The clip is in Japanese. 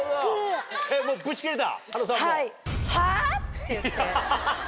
って言って。